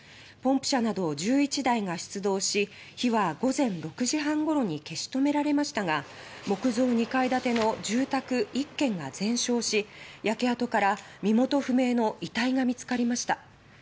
ポンプ車など１１台が出動し火は午前６時半ごろに消し止められましたが木造２階建ての住宅１軒が全焼し焼け跡から身元不明の遺体が見つかりました。